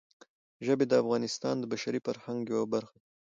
ژبې د افغانستان د بشري فرهنګ یوه برخه ده.